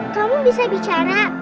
kamu bisa berbicara